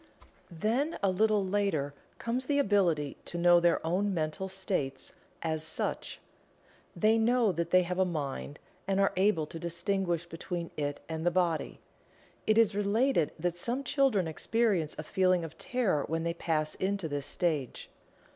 Then a little later comes the ability to know their own mental states as such they know that they have a mind, and are able to distinguish between it and the body. It is related that some children experience a feeling of terror when they pass into this stage.